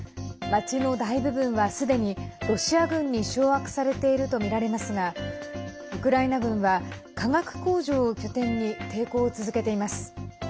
町の大部分は、すでにロシア軍に掌握されているとみられますがウクライナ軍は化学工場を拠点に抵抗を続けています。